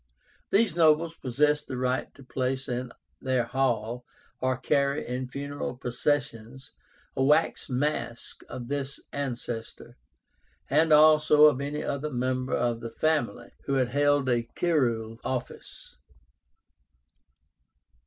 These nobles possessed the right to place in their hall, or carry in funeral processions, a wax mask of this ancestor, and also of any other member of the family who had held a curule office.